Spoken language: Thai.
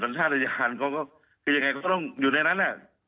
สัญชาติรยานเขาก็คือยังไงเขาต้องอยู่ในนั้นเนี่ย